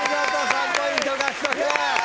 ３ポイント獲得。